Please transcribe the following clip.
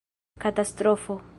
katastrofo